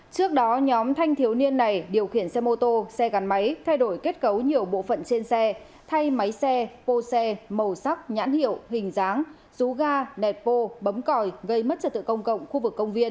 trước đó nhóm thanh thiếu niên này điều khiển xe mô tô xe gắn máy thay đổi kết cấu nhiều bộ phận trên xe thay máy xe bô xe màu sắc nhãn hiệu hình dáng rú ga nẹt bô bấm còi gây mất trật tự công cộng khu vực công viên